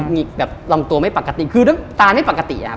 หิกแบบลำตัวไม่ปกติคือด้วยตาไม่ปกติอะครับ